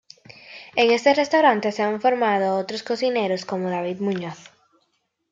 En este restaurante se han formado otros cocineros como David Muñoz.